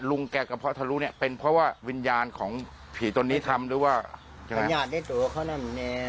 หลวงแกกระเพาะทะลุเนี่ยเป็นเพราะว่าวิญญาณของผีตนนี้ทำหรือว่า